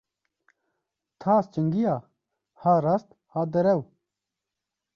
Tas çingiya, ha rast ha derew